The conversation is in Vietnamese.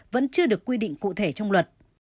vẫn chưa được quy định cụ thể trong luật